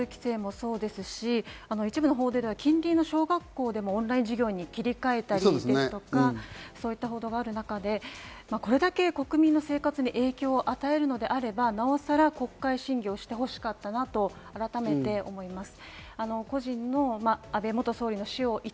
交通規制もそうですし、一部の報道では近隣の小学校でもオンライン授業に切り替えたり、これだけ国民の生活に影響を与えるのであれば、なおさら国会審議をしてほしかったなと思います。